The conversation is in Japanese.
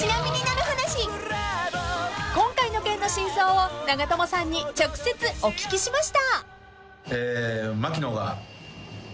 ［今回の件の真相を長友さんに直接お聞きしました］